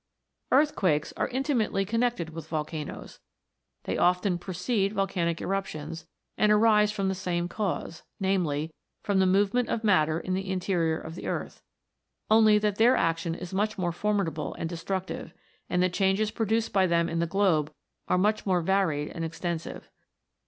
Earthquakes are intimately connected with vol canoes; they often precede volcanic eruptions, and arise from the same cause viz., from the movement of matter in the interior of the earth; only that their action is much more formidable and destructive, and the changes produced by them in the globe are much more varied and extensive.